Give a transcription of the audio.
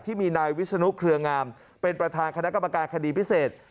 ที่มีนายวิศนุเครืองามเป็นประธานคณะกรรมการคดีพิเศษ